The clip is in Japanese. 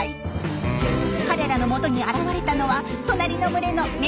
彼らのもとに現れたのは隣の群れのメスライオン。